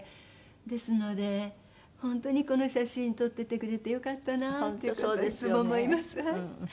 ですので本当にこの写真撮っててくれてよかったなっていつも思います。